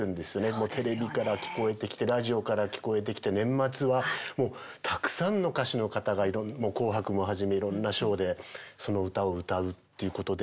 もうテレビから聞こえてきてラジオから聞こえてきて年末はもうたくさんの歌手の方が「紅白」をはじめいろんなショーでその歌を歌うっていうことで。